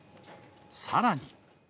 さらに。